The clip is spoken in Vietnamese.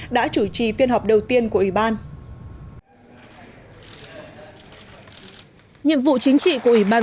đã chủ trì phiên họp đầu tiên của ủy ban